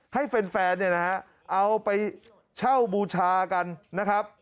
ให้แฟนเอาไปเช่าบูชากันนะครับ